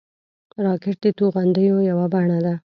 راکټ د توغندیو یوه بڼه ده